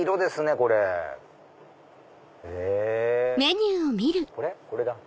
これだ！